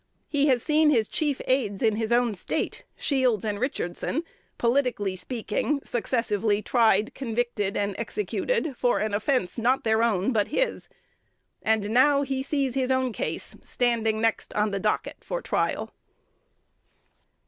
He has seen his chief aids in his own State, Shields and Richardson, politically speaking, successively tried, convicted, and executed for an offence not their own, but his. And now he sees his own case standing next on the docket for trial."